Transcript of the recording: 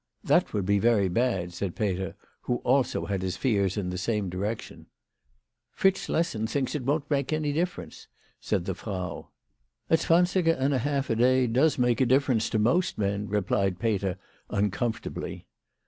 " That would be very bad/' said Peter, who also had his fears in the same direction. "Fritz Schlessen thinks it won't make any difference," said the Frau. "A zwansiger and a half a day does make a difference to most men," replied Peter uncomfortably.